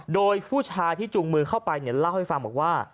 โดยผู้ชายที่จูงมือเข้าไปเล่าให้ฟังบอกว่า